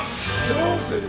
どうする？